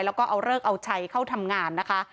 แล้วก็เอาเลิกเอาชัยเข้าทำงานนะคะ